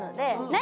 何？